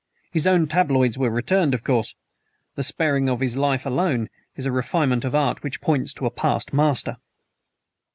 His own tabloids were returned, of course. The sparing of his life alone is a refinement of art which points to a past master."